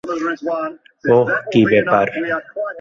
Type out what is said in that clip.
ওহ, কী ব্যাপার?